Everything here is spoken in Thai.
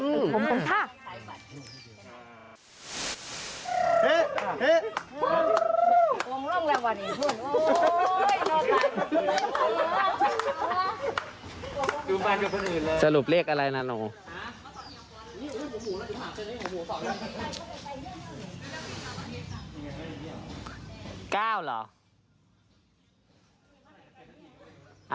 คุณผู้ชมขอบคุณค่ะ